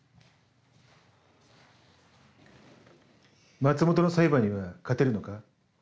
松本の裁判には勝てるのか？